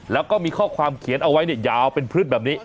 แล้วก็มีข้อความเขียนเอาไว้ยาวเป็นพลึกแบบนี้